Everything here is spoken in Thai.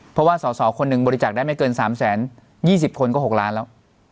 เพราะว่าสอสอคนหนึ่งบริจาคได้ไม่เกิน๓๒๐คนก็๖ล้านแล้ว